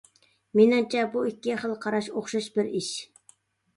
مېنىڭچە، بۇ ئىككى خىل قاراش ئوخشاش بىر ئىش.